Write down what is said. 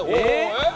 えっ？